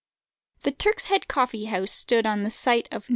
The Turk's Head Coffee house stood on the site of No.